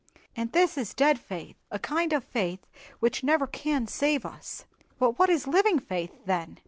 And this is dead faith, a kind of faith which never can save us." "But what is living faith, then?"